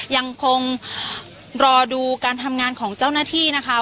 ยังคงรอดูการทำงานของเจ้าหน้าที่นะคะ